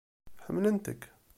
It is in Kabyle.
Ḥemmlent-k!